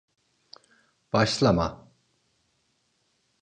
Başlama.